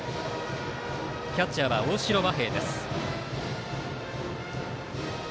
キャッチャーは大城和平です。